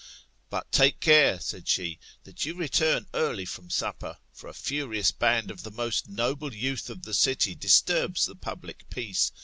But take care, said she, that you return early from supper ; for a furious bjand of the most noble youth of the city disturbs the public peace.